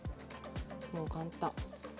もう簡単。